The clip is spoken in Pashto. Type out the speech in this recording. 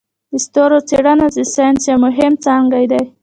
د ستورو څیړنه د ساینس یو مهم څانګی دی.